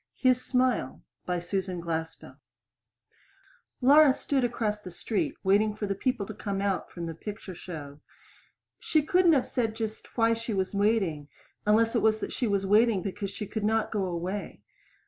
HIS SMILE By SUSAN GLASPELL (From The Pictorial Review) Laura stood across the street waiting for the people to come out from the picture show. She couldn't have said just why she was waiting, unless it was that she was waiting because she could not go away.